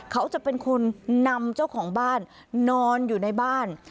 เขาจะเป็นคนนำเจ้าของบ้านนอนอยู่ในบ้าน